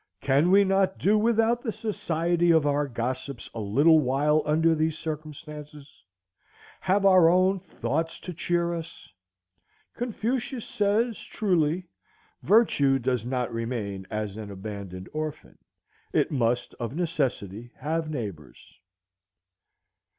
Can we not do without the society of our gossips a little while under these circumstances,—have our own thoughts to cheer us? Confucius says truly, "Virtue does not remain as an abandoned orphan; it must of necessity have neighbors."